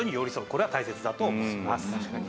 これが大切だと思います。